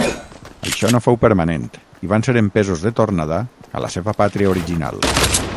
Això no fou permanent i van ser empesos de tornada a la seva pàtria original.